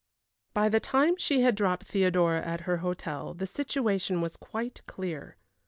By the time she had dropped Theodora at her hotel the situation was quite clear.